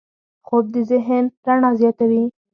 خوب د ذهن رڼا زیاتوي